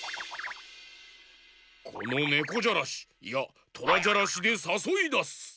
このねこじゃらしいやトラじゃらしでさそいだす！